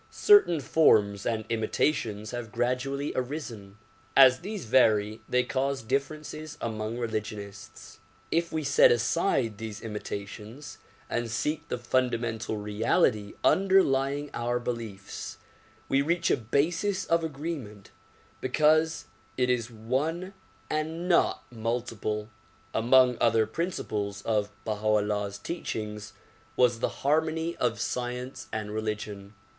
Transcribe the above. Certain forms and imitations have gradually arisen. As these vary, they cause differences among religionists. If we set aside these imitations and seek the fundamental reality underlying our beliefs we reach a basis of agreement because it is one and not multiple. Among other principles of Baha 'Ullah 's teachings was the harmony of science and religion.